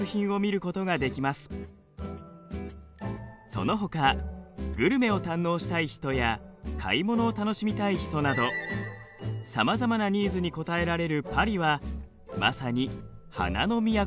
そのほかグルメを堪能したい人や買い物を楽しみたい人などさまざまなニーズに応えられるパリはまさに花の都です。